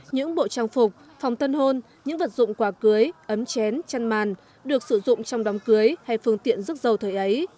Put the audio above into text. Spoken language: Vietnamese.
những bộ trang phục phòng tân hôn những vật dụng quả cưới ấm chén chăn màn được sử dụng trong đám cưới hay phương tiện rước dầu thời ấy